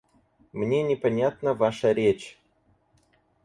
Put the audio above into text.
Мне непонятна ваша речь.